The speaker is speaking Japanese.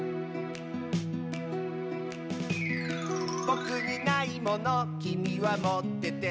「ぼくにないものきみはもってて」